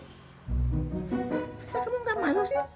masa kamu ga malu sih